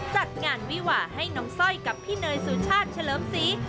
จัดงานวิหว่าให้น้องสร้อยกับพี่เนยสุชาติเฉลิมศรี